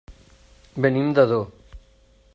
Venim d'Ador.